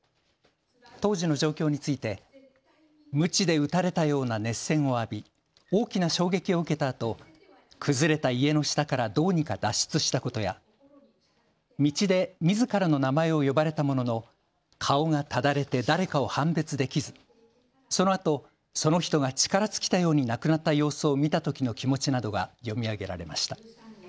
当時の状況についてむちで打たれたような熱線を浴び大きな衝撃を受けたあと崩れた家の下からどうにか脱出したことや、道でみずからの名前を呼ばれたものの、顔がただれて誰かを判別できず、そのあとその人が力尽きたように亡くなった様子を見たときの気持ちなどが読み上げられました。